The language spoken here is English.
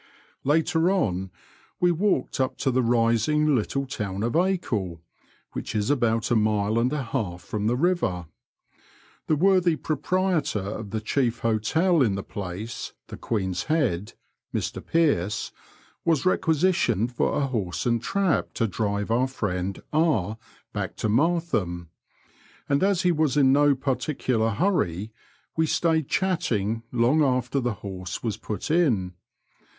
Later on we walked up to the rising little town of Acle, which is about a mile and a half from the river. The worthy proprietor of the chief hotel in the place (the Queen'a Head), Mr Pearce, was requisitioned for a horse and trap ta drive our friend K back to Martham, and as he was in no particular hurry, we stayed chatting long after the horse was put in.